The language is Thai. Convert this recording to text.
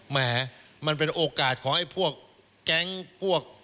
แหมมันเป็นโอกาสของไอ้พวกแก๊งพวก